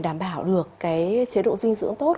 đảm bảo được cái chế độ dinh dưỡng tốt